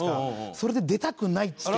それで出たくないっつって。